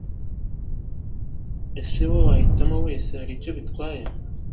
Ese uwo nahitamo wese hari icyo bitwaye